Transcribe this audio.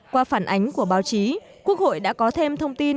qua phản ánh của báo chí quốc hội đã có thêm thông tin